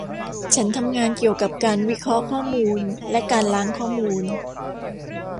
ฉันทำงานเกี่ยวกับการวิเคราะห์ข้อมูลและการล้างข้อมูล